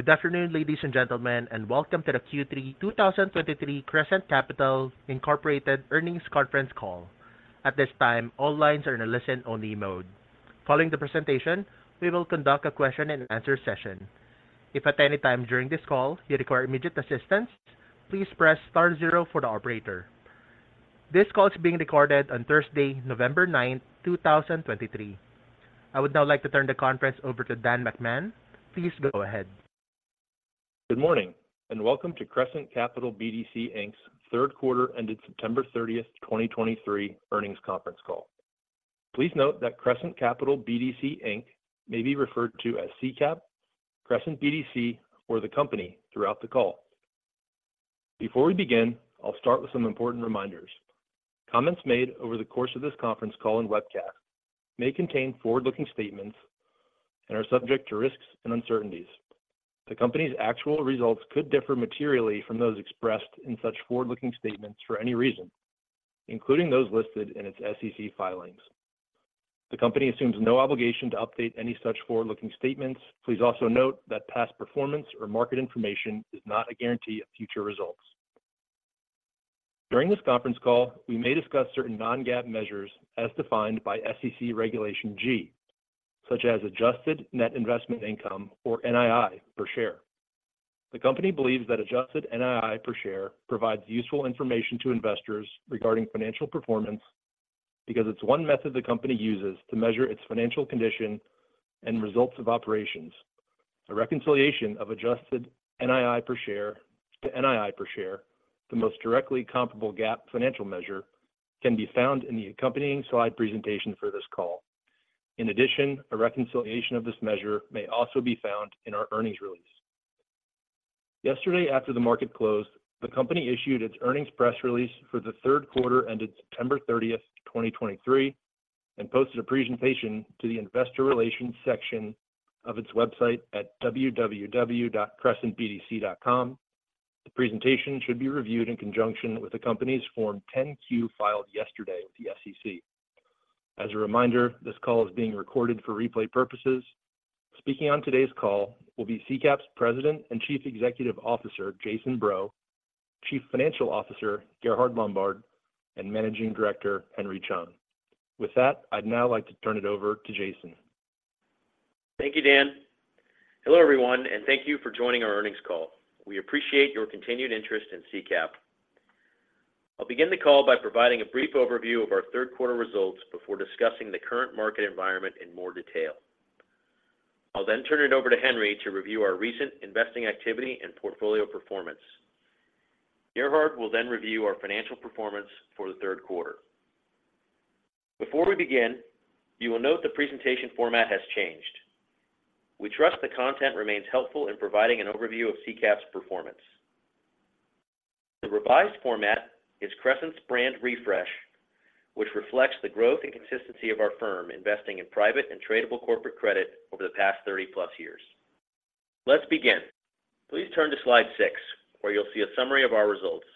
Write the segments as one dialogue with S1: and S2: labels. S1: Good afternoon, ladies and gentlemen, and welcome to the Q3 2023 Crescent Capital BDC, Inc. Earnings Conference Call. At this time, all lines are in a listen-only mode. Following the presentation, we will conduct a question and answer session. If at any time during this call you require immediate assistance, please press star zero for the operator. This call is being recorded on Thursday, November ninth, two thousand and twenty-three. I would now like to turn the conference over to Dan McMahon. Please go ahead.
S2: Good morning, and welcome to Crescent Capital BDC, Inc.'s third quarter ended September 30, 2023 earnings conference call. Please note that Crescent Capital BDC, Inc. may be referred to as CCAP, Crescent BDC, or the Company throughout the call. Before we begin, I'll start with some important reminders. Comments made over the course of this conference call and webcast may contain forward-looking statements and are subject to risks and uncertainties. The Company's actual results could differ materially from those expressed in such forward-looking statements for any reason, including those listed in its SEC filings. The Company assumes no obligation to update any such forward-looking statements. Please also note that past performance or market information is not a guarantee of future results. During this conference call, we may discuss certain non-GAAP measures as defined by SEC Regulation G, such as adjusted net investment income or NII per share. The Company believes that adjusted NII per share provides useful information to investors regarding financial performance because it's one method the Company uses to measure its financial condition and results of operations. A reconciliation of adjusted NII per share to NII per share, the most directly comparable GAAP financial measure, can be found in the accompanying slide presentation for this call. In addition, a reconciliation of this measure may also be found in our earnings release. Yesterday, after the market closed, the Company issued its earnings press release for the third quarter ended September 30, 2023, and posted a presentation to the investor relations section of its website at www.crescentbdc.com. The presentation should be reviewed in conjunction with the company's Form 10-Q filed yesterday with the SEC. As a reminder, this call is being recorded for replay purposes. Speaking on today's call will be CCAP's President and Chief Executive Officer, Jason Breaux, Chief Financial Officer, Gerhard Lombard, and Managing Director, Henry Chung. With that, I'd now like to turn it over to Jason.
S3: Thank you, Dan. Hello, everyone, and thank you for joining our earnings call. We appreciate your continued interest in CCAP. I'll begin the call by providing a brief overview of our third quarter results before discussing the current market environment in more detail. I'll then turn it over to Henry to review our recent investing activity and portfolio performance. Gerhard will then review our financial performance for the third quarter. Before we begin, you will note the presentation format has changed. We trust the content remains helpful in providing an overview of CCAP's performance. The revised format is Crescent's brand refresh, which reflects the growth and consistency of our firm investing in private and tradable corporate credit over the past 30+ years. Let's begin. Please turn to slide 6, where you'll see a summary of our results.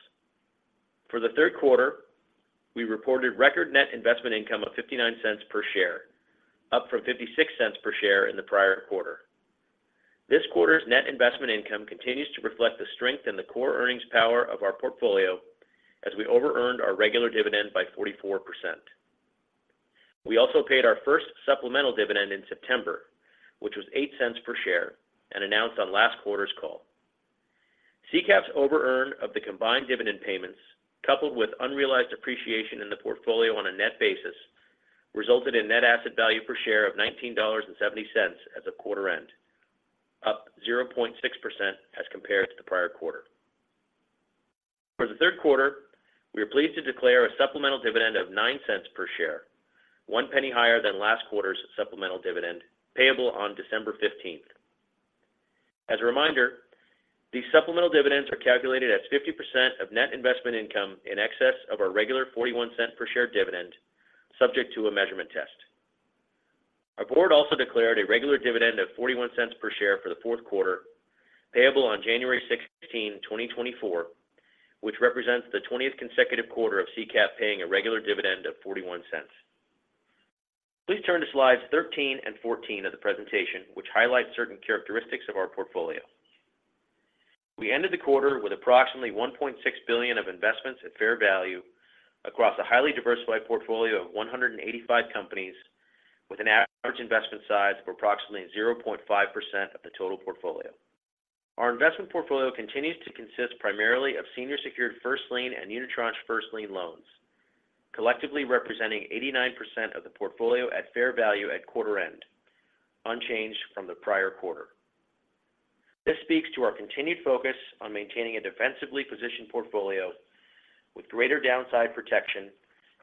S3: For the third quarter, we reported record net investment income of $0.59 per share, up from $0.56 per share in the prior quarter. This quarter's net investment income continues to reflect the strength and the core earnings power of our portfolio as we overearned our regular dividend by 44%. We also paid our first supplemental dividend in September, which was $0.08 per share, and announced on last quarter's call. CCAP's over earn of the combined dividend payments, coupled with unrealized appreciation in the portfolio on a net basis, resulted in net asset value per share of $19.70 as of quarter end, up 0.6% as compared to the prior quarter. For the third quarter, we are pleased to declare a supplemental dividend of $0.09 per share, 1 penny higher than last quarter's supplemental dividend, payable on December 15. As a reminder, these supplemental dividends are calculated as 50% of net investment income in excess of our regular $0.41 per share dividend, subject to a measurement test. Our board also declared a regular dividend of $0.41 per share for the fourth quarter, payable on January 16, 2024, which represents the 20th consecutive quarter of CCAP paying a regular dividend of $0.41. Please turn to slides 13 and 14 of the presentation, which highlight certain characteristics of our portfolio. We ended the quarter with approximately $1.6 billion of investments at fair value across a highly diversified portfolio of 185 companies, with an average investment size of approximately 0.5% of the total portfolio. Our investment portfolio continues to consist primarily of senior secured first lien and unitranche first lien loans, collectively representing 89% of the portfolio at fair value at quarter end, unchanged from the prior quarter. This speaks to our continued focus on maintaining a defensively positioned portfolio with greater downside protection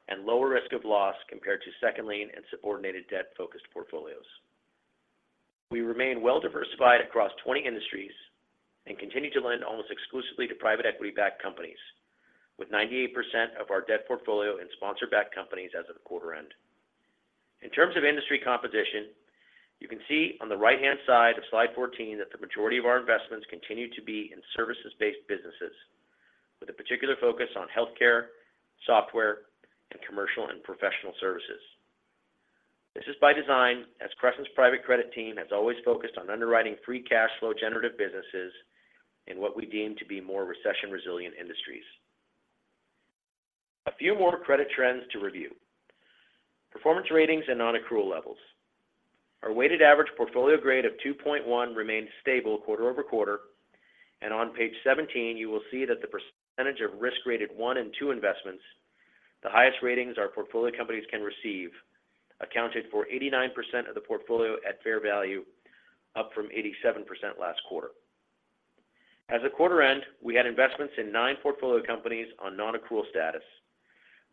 S3: and lower risk of loss compared to second lien and subordinated debt-focused portfolios. We remain well-diversified across 20 industries and continue to lend almost exclusively to private equity-backed companies, with 98% of our debt portfolio in sponsor-backed companies as of quarter end. In terms of industry composition, you can see on the right-hand side of slide 14 that the majority of our investments continue to be in services-based businesses, with a particular focus on healthcare, software, and commercial and professional services.... This is by design, as Crescent's private credit team has always focused on underwriting free cash flow generative businesses in what we deem to be more recession-resilient industries. A few more credit trends to review. Performance ratings and non-accrual levels. Our weighted average portfolio grade of 2.1 remained stable quarter-over-quarter, and on page 17, you will see that the percentage of risk-graded one and two investments, the highest ratings our portfolio companies can receive, accounted for 89% of the portfolio at fair value, up from 87% last quarter. As of quarter end, we had investments in nine portfolio companies on non-accrual status,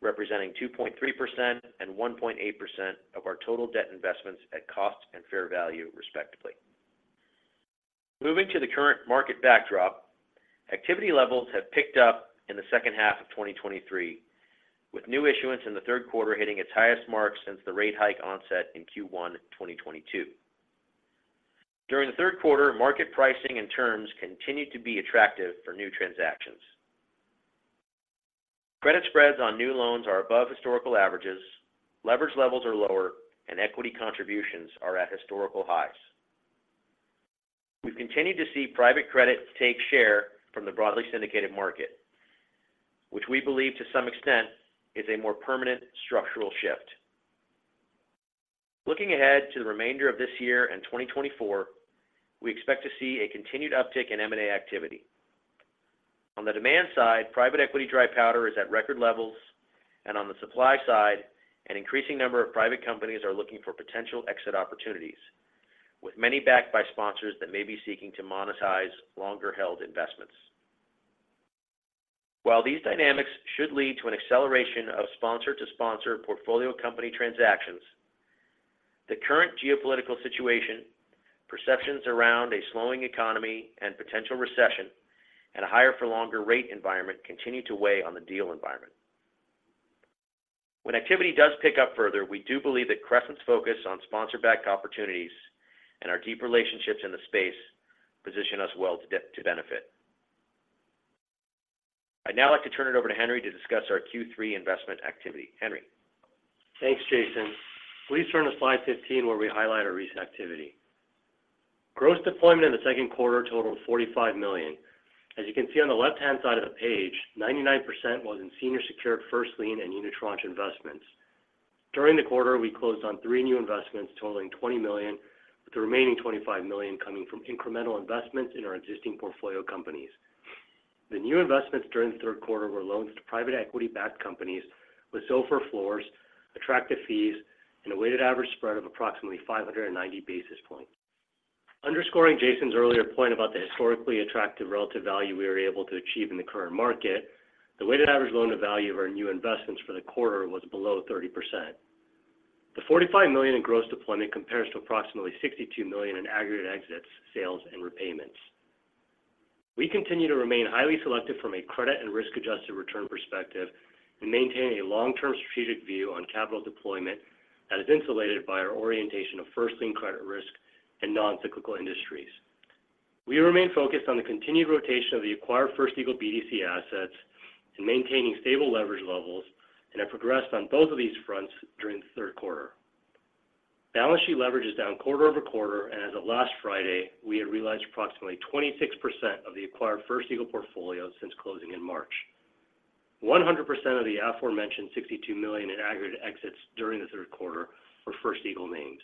S3: representing 2.3% and 1.8% of our total debt investments at cost and fair value, respectively. Moving to the current market backdrop, activity levels have picked up in the second half of 2023, with new issuance in the third quarter hitting its highest mark since the rate hike onset in Q1, 2022. During the third quarter, market pricing and terms continued to be attractive for new transactions. Credit spreads on new loans are above historical averages, leverage levels are lower, and equity contributions are at historical highs. We've continued to see private credit take share from the broadly syndicated market, which we believe to some extent, is a more permanent structural shift. Looking ahead to the remainder of this year and 2024, we expect to see a continued uptick in M&A activity. On the demand side, private equity dry powder is at record levels, and on the supply side, an increasing number of private companies are looking for potential exit opportunities, with many backed by sponsors that may be seeking to monetize longer-held investments. While these dynamics should lead to an acceleration of sponsor-to-sponsor portfolio company transactions, the current geopolitical situation, perceptions around a slowing economy and potential recession, and a higher for longer rate environment continue to weigh on the deal environment. When activity does pick up further, we do believe that Crescent's focus on sponsor-backed opportunities and our deep relationships in the space position us well to benefit. I'd now like to turn it over to Henry to discuss our Q3 investment activity. Henry?
S4: Thanks, Jason. Please turn to slide 15, where we highlight our recent activity. Gross deployment in the second quarter totaled $45 million. As you can see on the left-hand side of the page, 99% was in senior secured first-lien and unitranche investments. During the quarter, we closed on 3 new investments totaling $20 million, with the remaining $25 million coming from incremental investments in our existing portfolio companies. The new investments during the third quarter were loans to private equity-backed companies with SOFR floors, attractive fees, and a weighted average spread of approximately 590 basis points. Underscoring Jason's earlier point about the historically attractive relative value we were able to achieve in the current market, the weighted average loan-to-value of our new investments for the quarter was below 30%. The $45 million in gross deployment compares to approximately $62 million in aggregate exits, sales, and repayments. We continue to remain highly selective from a credit and risk-adjusted return perspective, and maintain a long-term strategic view on capital deployment that is insulated by our orientation of first lien credit risk in non-cyclical industries. We remain focused on the continued rotation of the acquired First Eagle BDC assets and maintaining stable leverage levels, and have progressed on both of these fronts during the third quarter. Balance sheet leverage is down quarter-over-quarter, and as of last Friday, we had realized approximately 26% of the acquired First Eagle portfolio since closing in March. 100% of the aforementioned $62 million in aggregate exits during the third quarter were First Eagle names.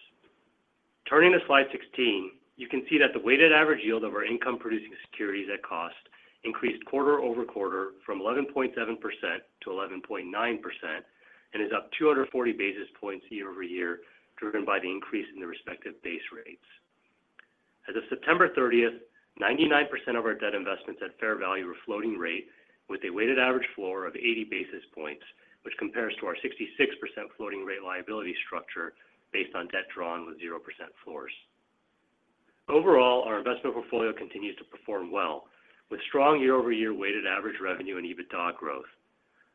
S4: Turning to slide 16, you can see that the weighted average yield of our income-producing securities at cost increased quarter-over-quarter from 11.7% to 11.9%, and is up 240 basis points year-over-year, driven by the increase in the respective base rates. As of September 30, 99% of our debt investments at fair value were floating rate, with a weighted average floor of 80 basis points, which compares to our 66% floating rate liability structure based on debt drawn with 0% floors. Overall, our investment portfolio continues to perform well, with strong year-over-year weighted average revenue and EBITDA growth.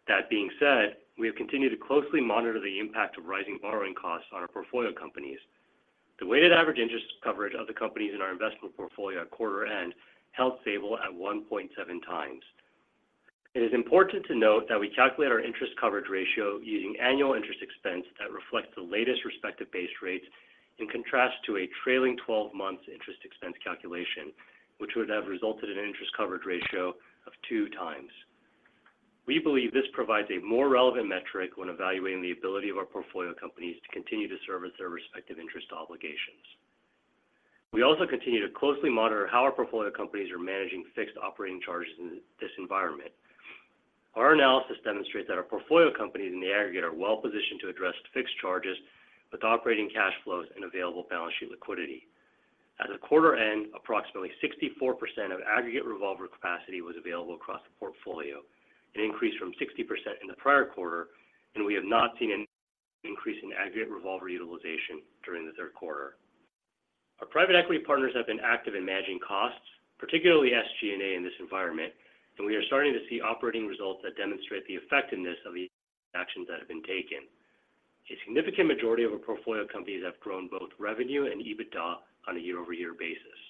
S4: That being said, we have continued to closely monitor the impact of rising borrowing costs on our portfolio companies. The weighted average interest coverage of the companies in our investment portfolio at quarter end held stable at 1.7 times. It is important to note that we calculate our interest coverage ratio using annual interest expense that reflects the latest respective base rates, in contrast to a trailing-twelve-month interest expense calculation, which would have resulted in an interest coverage ratio of 2 times. We believe this provides a more relevant metric when evaluating the ability of our portfolio companies to continue to service their respective interest obligations. We also continue to closely monitor how our portfolio companies are managing fixed operating charges in this environment. Our analysis demonstrates that our portfolio companies in the aggregate are well positioned to address fixed charges with operating cash flows and available balance sheet liquidity. At the quarter end, approximately 64% of aggregate revolver capacity was available across the portfolio, an increase from 60% in the prior quarter, and we have not seen an increase in aggregate revolver utilization during the third quarter. Our private equity partners have been active in managing costs, particularly SG&A, in this environment, and we are starting to see operating results that demonstrate the effectiveness of the actions that have been taken. A significant majority of our portfolio companies have grown both revenue and EBITDA on a year-over-year basis....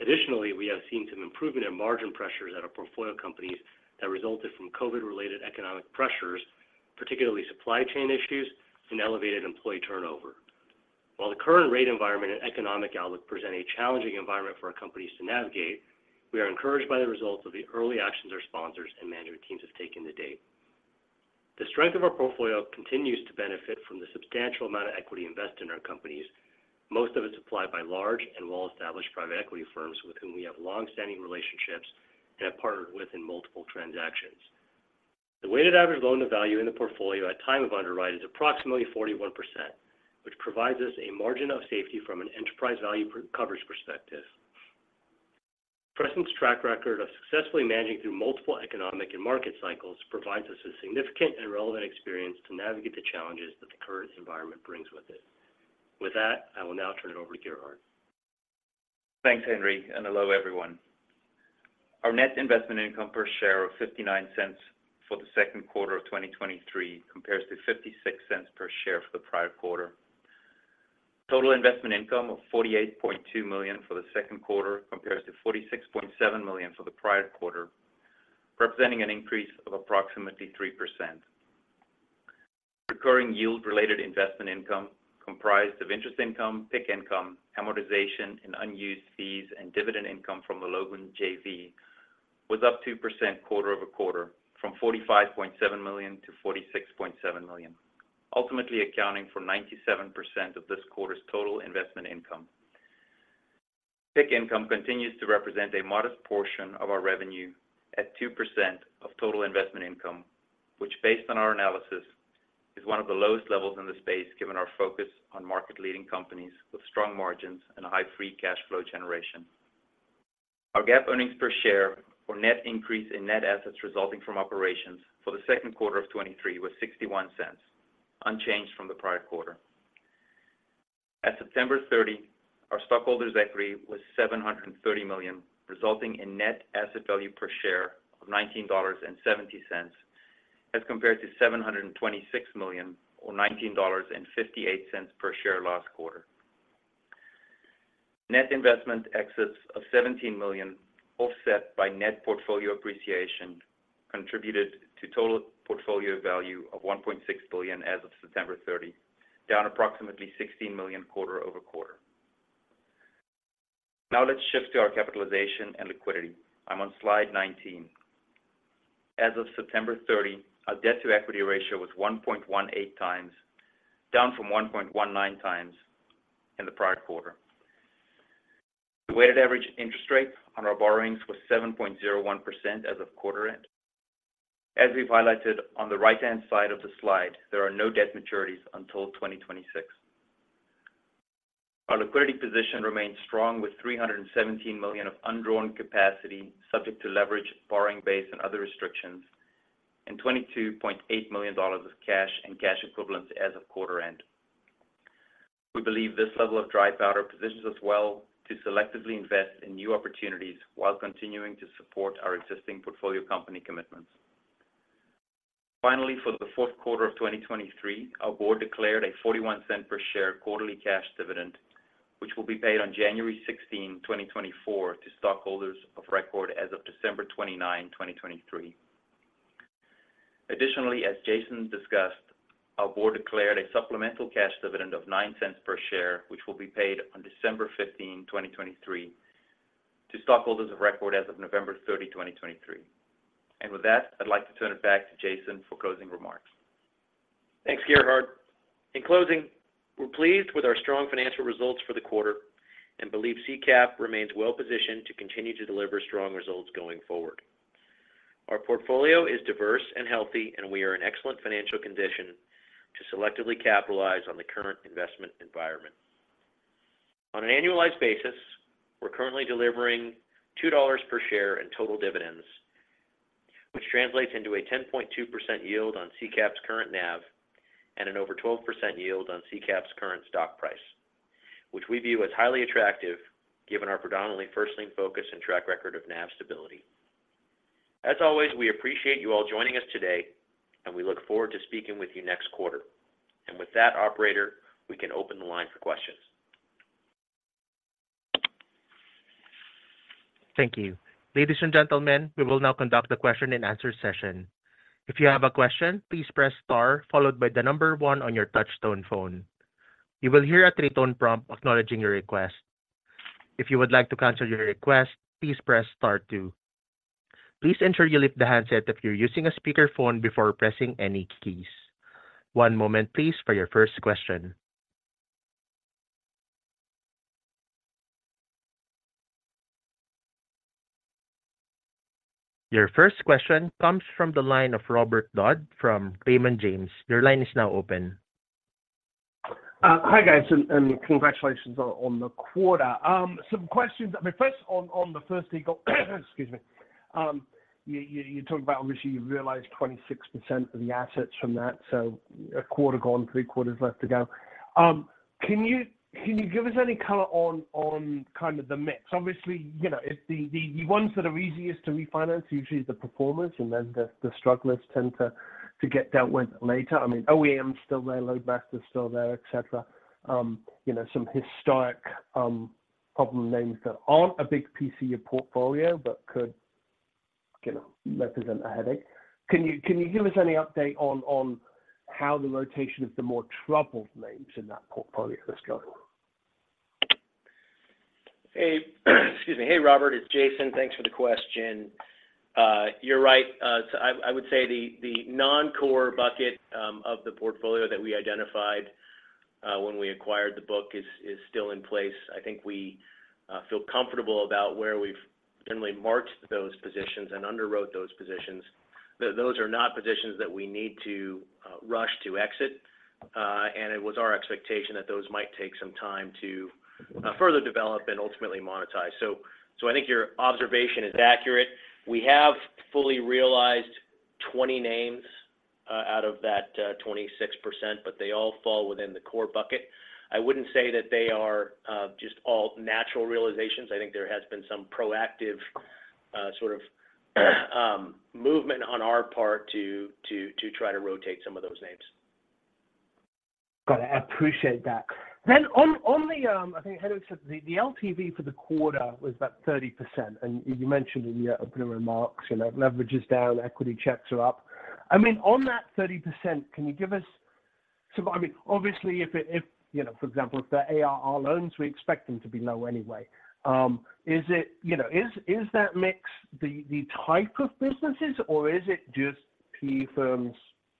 S4: Additionally, we have seen some improvement in margin pressures at our portfolio companies that resulted from COVID-related economic pressures, particularly supply chain issues and elevated employee turnover. While the current rate environment and economic outlook present a challenging environment for our companies to navigate, we are encouraged by the results of the early actions our sponsors and management teams have taken to date. The strength of our portfolio continues to benefit from the substantial amount of equity invested in our companies, most of it supplied by large and well-established private equity firms with whom we have long-standing relationships and have partnered with in multiple transactions. The weighted average loan to value in the portfolio at time of underwrite is approximately 41%, which provides us a margin of safety from an enterprise value per coverage perspective. Crescent's track record of successfully managing through multiple economic and market cycles provides us with significant and relevant experience to navigate the challenges that the current environment brings with it. With that, I will now turn it over to Gerhard.
S5: Thanks, Henry, and hello, everyone. Our net investment income per share of $0.59 for the second quarter of 2023 compares to $0.56 per share for the prior quarter. Total investment income of $48.2 million for the second quarter compares to $46.7 million for the prior quarter, representing an increase of approximately 3%. Recurring yield-related investment income, comprised of interest income, PIK income, amortization, and unused fees, and dividend income from the Logan JV, was up 2% quarter-over-quarter from $45.7 million-$46.7 million, ultimately accounting for 97% of this quarter's total investment income. PIK income continues to represent a modest portion of our revenue at 2% of total investment income, which, based on our analysis, is one of the lowest levels in the space, given our focus on market-leading companies with strong margins and a high free cash flow generation. Our GAAP earnings per share or net increase in net assets resulting from operations for the second quarter of 2023 was $0.61, unchanged from the prior quarter. At September 30, our stockholders' equity was $730 million, resulting in net asset value per share of $19.70, as compared to $726 million or $19.58 per share last quarter. Net investment exits of $17 million, offset by net portfolio appreciation, contributed to total portfolio value of $1.6 billion as of September 30, down approximately $16 million quarter-over-quarter. Now let's shift to our capitalization and liquidity. I'm on slide 19. As of September 30, our debt-to-equity ratio was 1.18 times, down from 1.19 times in the prior quarter. The weighted average interest rate on our borrowings was 7.01% as of quarter end. As we've highlighted on the right-hand side of the slide, there are no debt maturities until 2026. Our liquidity position remains strong, with $317 million of undrawn capacity, subject to leverage, borrowing base and other restrictions, and $22.8 million of cash and cash equivalents as of quarter end. We believe this level of dry powder positions us well to selectively invest in new opportunities while continuing to support our existing portfolio company commitments. Finally, for the fourth quarter of 2023, our board declared a $0.41 per share quarterly cash dividend, which will be paid on January 16, 2024, to stockholders of record as of December 29, 2023. Additionally, as Jason discussed, our board declared a supplemental cash dividend of $0.09 per share, which will be paid on December 15, 2023, to stockholders of record as of November 30, 2023. And with that, I'd like to turn it back to Jason for closing remarks.
S3: Thanks, Gerhard. In closing, we're pleased with our strong financial results for the quarter and believe CCAP remains well positioned to continue to deliver strong results going forward. Our portfolio is diverse and healthy, and we are in excellent financial condition to selectively capitalize on the current investment environment. On an annualized basis, we're currently delivering $2 per share in total dividends, which translates into a 10.2% yield on CCAP's current NAV and an over 12% yield on CCAP's current stock price, which we view as highly attractive, given our predominantly first lien focus and track record of NAV stability. As always, we appreciate you all joining us today, and we look forward to speaking with you next quarter. And with that, operator, we can open the line for questions.
S1: Thank you. Ladies and gentlemen, we will now conduct a question-and-answer session. If you have a question, please press star followed by the number one on your touchtone phone. You will hear a three-tone prompt acknowledging your request. If you would like to cancel your request, please press star two. Please ensure you lift the handset if you're using a speakerphone before pressing any keys. One moment, please, for your first question. Your first question comes from the line of Robert Dodd from Raymond James. Your line is now open.
S6: Hi, guys, and congratulations on the quarter. Some questions. I mean, first on the First Eagle, excuse me. You talked about obviously, you've realized 26% of the assets from that, so a quarter gone, three quarters left to go. Can you give us any color on kind of the mix? Obviously, you know, if the ones that are easiest to refinance, usually the performers, and then the strugglers tend to get dealt with later. I mean, OEM is still there, Loadmaster is still there, et cetera. You know, some historic problem names that aren't a big piece of your portfolio but could, you know, represent a headache. Can you give us any update on how the rotation of the more troubled names in that portfolio is going?
S3: Hey, excuse me. Hey, Robert, it's Jason. Thanks for the question. You're right. So I would say the non-core bucket of the portfolio that we identified when we acquired the book is still in place. I think we feel comfortable about where we've generally marked those positions and underwrote those positions. Those are not positions that we need to rush to exit, and it was our expectation that those might take some time to further develop and ultimately monetize. So I think your observation is accurate. We have fully realized 20 names out of that 26%, but they all fall within the core bucket. I wouldn't say that they are just all natural realizations. I think there has been some proactive, sort of, movement on our part to try to rotate some of those names.
S7: Got it. I appreciate that. Then on the, I think Henry said the LTV for the quarter was about 30%, and you mentioned in your opening remarks, you know, leverage is down, equity checks are up. I mean, on that 30%, can you give us some— I mean, obviously, if, you know, for example, if they're ARR loans, we expect them to be low anyway. Is it— you know, is that mix the type of businesses, or is it just PE firms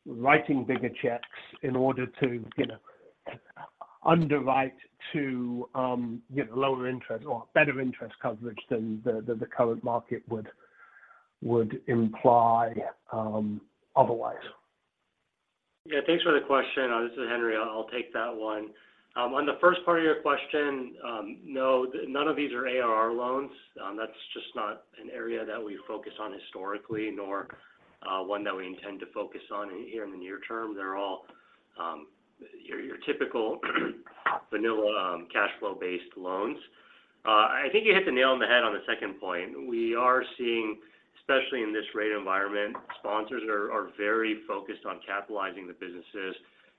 S7: writing bigger checks in order to, you know, underwrite to get lower interest or better interest coverage than the current market would imply, otherwise?
S4: Yeah, thanks for the question. This is Henry. I'll take that one. On the first part of your question, no, none of these are ARR loans. That's just not an area that we focus on historically, nor one that we intend to focus on here in the near term. They're all your typical, vanilla cashflow-based loans. I think you hit the nail on the head on the second point. We are seeing, especially in this rate environment, sponsors are very focused on capitalizing the businesses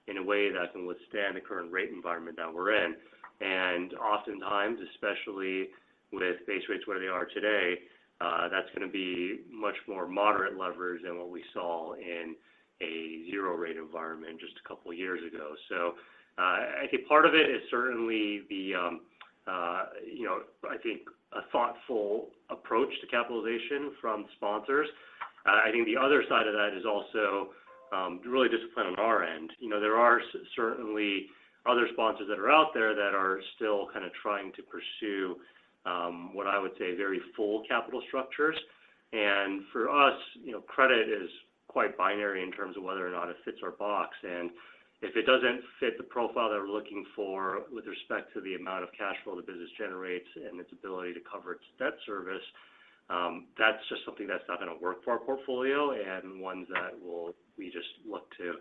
S4: in a way that can withstand the current rate environment that we're in. And oftentimes, especially with base rates where they are today, that's gonna be much more moderate leverage than what we saw in a zero-rate environment just a couple of years ago. So, I think part of it is certainly the, you know, I think a thoughtful approach to capitalization from sponsors. I think the other side of that is also, really discipline on our end. You know, there are certainly other sponsors that are out there that are still kinda trying to pursue, what I would say, very full capital structures. And for us, you know, credit is quite binary in terms of whether or not it fits our box. And if it doesn't fit the profile that we're looking for with respect to the amount of cash flow the business generates and its ability to cover its debt service, that's just something that's not gonna work for our portfolio, and ones that will, we just look to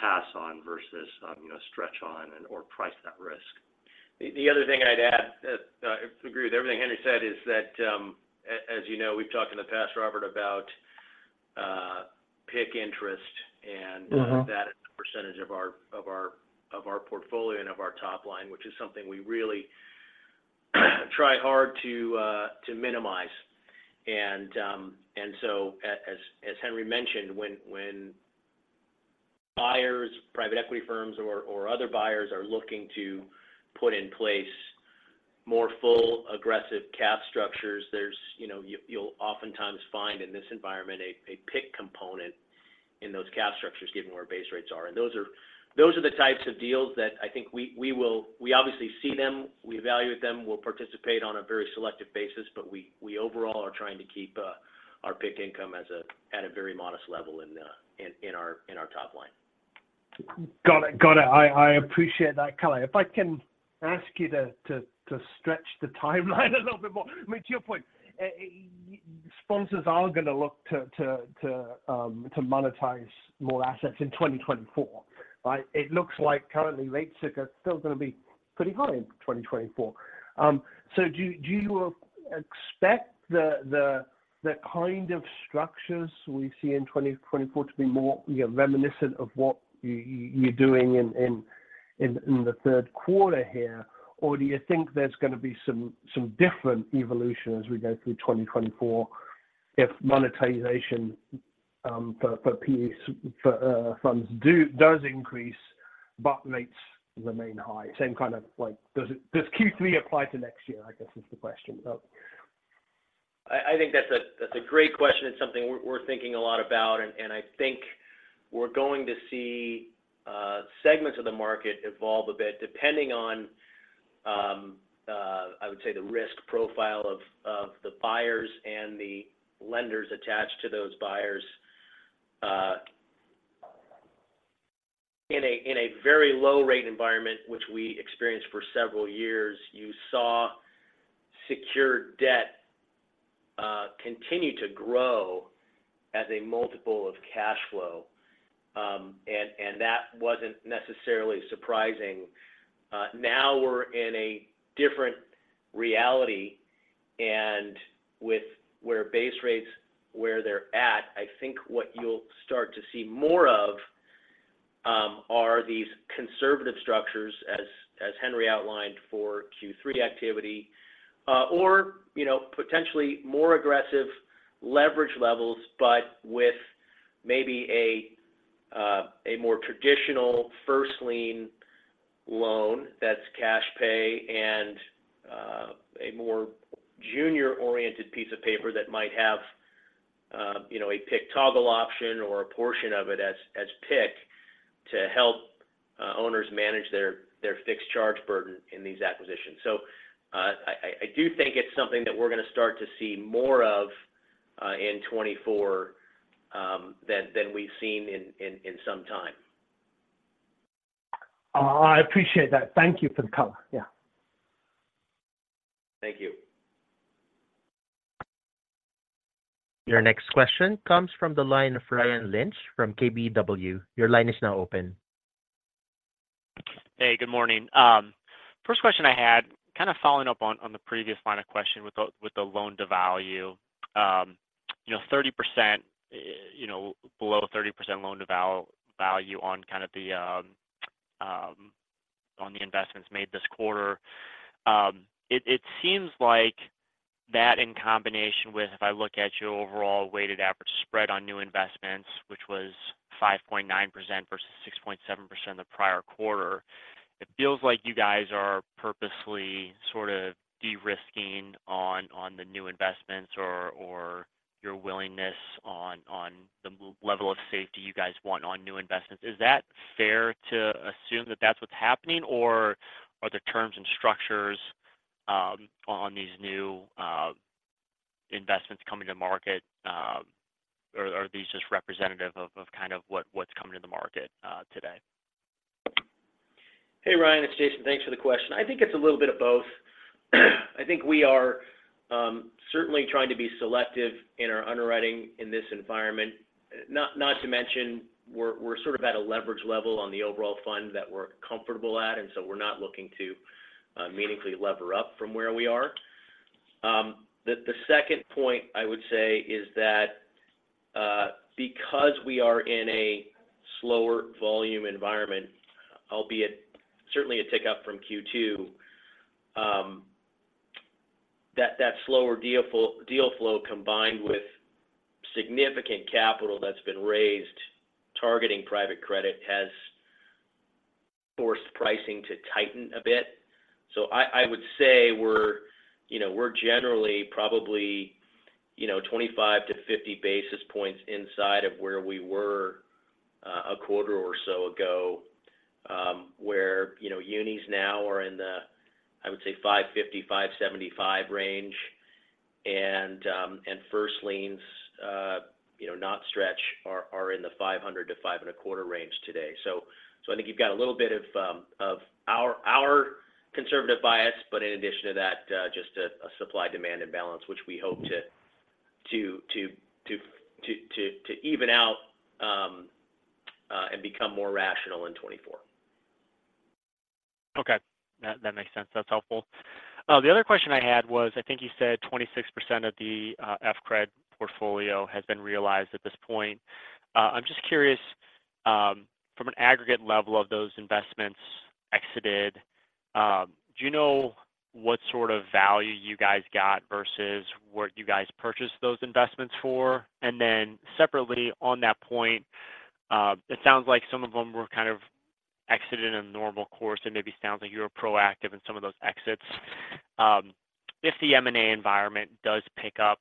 S4: pass on versus, you know, stretch on and or price that risk.
S3: The other thing I'd add, I agree with everything Henry said, is that, as you know, we've talked in the past, Robert, about PIK interest, and-
S7: Mm-hmm...
S3: that percentage of our portfolio and of our top line, which is something we really try hard to minimize. And so as Henry mentioned, when buyers, private equity firms or other buyers are looking to put in place more full aggressive cap structures, there's, you know, you'll oftentimes find in this environment a PIK component in those cap structures, given where base rates are. And those are the types of deals that I think we will-- we obviously see them, we evaluate them, we'll participate on a very selective basis, but we overall are trying to keep our PIK income at a very modest level in our top line.
S7: Got it. Got it. I appreciate that color. If I can ask you to stretch the timeline a little bit more. I mean, to your point, sponsors are gonna look to monetize more assets in 2024, right? It looks like currently, rates are still gonna be pretty high in 2024. So do you expect the kind of structures we see in 2024 to be more, you know, reminiscent of what you're doing in the third quarter here? Or do you think there's gonna be some different evolution as we go through 2024 if monetization for PEs for funds does increase, but rates remain high? Same kind of like, does Q3 apply to next year, I guess, is the question? So...
S3: I think that's a great question. It's something we're thinking a lot about, and I think we're going to see segments of the market evolve a bit, depending on, I would say, the risk profile of the buyers and the lenders attached to those buyers. In a very low rate environment, which we experienced for several years, you saw secured debt continue to grow as a multiple of cash flow, and that wasn't necessarily surprising. Now we're in a different reality, and with where base rates, where they're at, I think what you'll start to see more of-... are these conservative structures as, as Henry outlined for Q3 activity, or, you know, potentially more aggressive leverage levels, but with maybe a, a more traditional first lien loan that's cash pay and, a more junior-oriented piece of paper that might have, you know, a PIK toggle option or a portion of it as, as PIK to help, owners manage their, their fixed charge burden in these acquisitions. So, I, I do think it's something that we're going to start to see more of, in 2024, than, than we've seen in, in, in some time.
S6: I appreciate that. Thank you for the color. Yeah.
S3: Thank you.
S1: Your next question comes from the line of Ryan Lynch from KBW. Your line is now open.
S8: Hey, good morning. First question I had, kind of following up on the previous line of question with the loan to value. You know, 30%, you know, below 30% loan to value on the investments made this quarter. It seems like that in combination with, if I look at your overall weighted average spread on new investments, which was 5.9% versus 6.7% the prior quarter, it feels like you guys are purposely sort of de-risking on the new investments or your willingness on the level of safety you guys want on new investments. Is that fair to assume that that's what's happening? Or are the terms and structures on these new investments coming to market, or are these just representative of kind of what's coming to the market today?
S3: Hey, Ryan, it's Jason. Thanks for the question. I think it's a little bit of both. I think we are certainly trying to be selective in our underwriting in this environment. Not to mention, we're sort of at a leverage level on the overall fund that we're comfortable at, and so we're not looking to meaningfully lever up from where we are. The second point I would say is that because we are in a slower volume environment, albeit certainly a tick up from Q2, that slower deal flow, combined with significant capital that's been raised targeting private credit, has forced pricing to tighten a bit. So I would say we're, you know, we're generally probably, you know, 25-50 basis points inside of where we were a quarter or so ago. Where, you know, unitranches now are in the, I would say, 550-575 range, and first liens, you know, not stretch, are in the 500-525 range today. So I think you've got a little bit of our conservative bias, but in addition to that, just a supply-demand imbalance, which we hope to even out and become more rational in 2024.
S9: Okay. That, that makes sense. That's helpful. The other question I had was, I think you said 26% of the FCRD portfolio has been realized at this point. I'm just curious, from an aggregate level of those investments exited, do you know what sort of value you guys got versus what you guys purchased those investments for? And then separately, on that point, it sounds like some of them were kind of exited in a normal course, and maybe sounds like you were proactive in some of those exits.
S8: If the M&A environment does pick up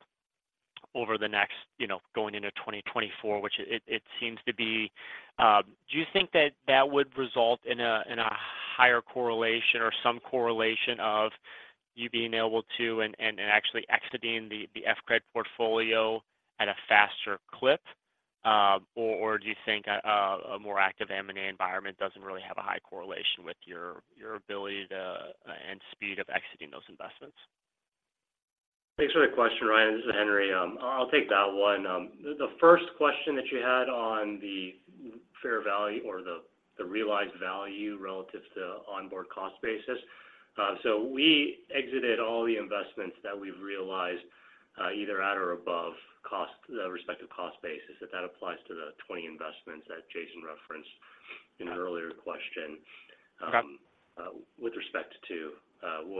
S8: over the next, you know, going into 2024, which it seems to be, do you think that that would result in a higher correlation or some correlation of you being able to and actually exiting the FCRD portfolio at a faster clip? Or do you think a more active M&A environment doesn't really have a high correlation with your ability to and speed of exiting those investments?
S3: Thanks for the question, Ryan. This is Henry. I'll take that one. The first question that you had on the fair value or the realized value relative to onboard cost basis. So we exited all the investments that we've realized, either at or above cost, the respective cost basis, if that applies to the 20 investments that Jason referenced in an earlier question-
S9: Got it...
S3: with respect to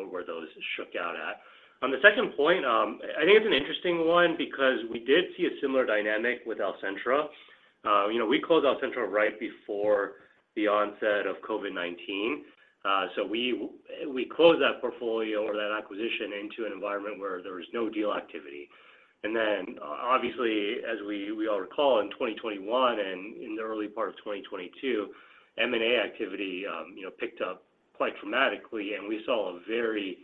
S3: where those shook out at. On the second point, I think it's an interesting one because we did see a similar dynamic with Alcentra. You know, we closed Alcentra right before the onset of COVID-19. So we closed that portfolio or that acquisition into an environment where there was no deal activity. And then, obviously, as we all recall, in 2021 and in the early part of 2022, M&A activity, you know, picked up quite dramatically, and we saw a very,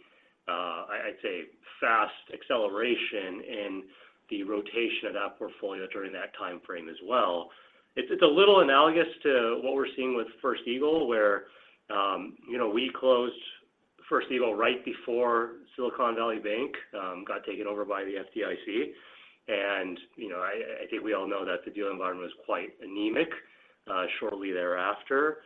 S3: I'd say, fast acceleration in the rotation of that portfolio during that time frame as well. It's a little analogous to what we're seeing with First Eagle, where you know, we closed First Eagle right before Silicon Valley Bank got taken over by the FDIC. You know, I, I think we all know that the deal environment was quite anemic, shortly thereafter.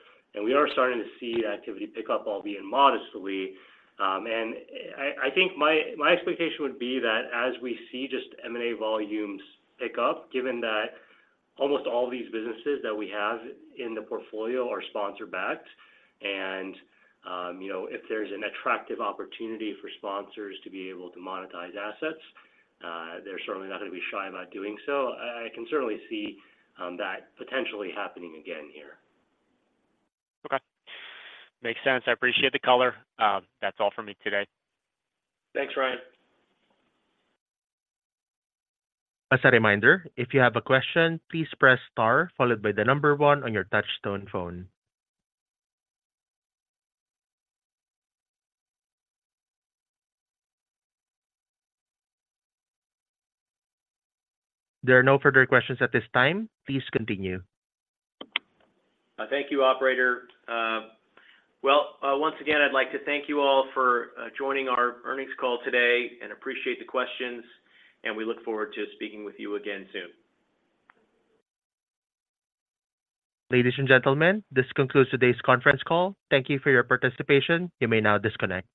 S3: We are starting to see activity pick up, albeit modestly. And I, I think my, my expectation would be that as we see just M&A volumes pick up, given that almost all of these businesses that we have in the portfolio are sponsor backed, and, you know, if there's an attractive opportunity for sponsors to be able to monetize assets, they're certainly not going to be shy about doing so. I, I can certainly see that potentially happening again here.
S8: Okay. Makes sense. I appreciate the color. That's all for me today.
S3: Thanks, Ryan.
S1: As a reminder, if you have a question, please press star, followed by the number one on your touchtone phone. There are no further questions at this time. Please continue.
S3: Thank you, operator. Well, once again, I'd like to thank you all for joining our earnings call today and appreciate the questions, and we look forward to speaking with you again soon.
S1: Ladies and gentlemen, this concludes today's conference call. Thank you for your participation. You may now disconnect.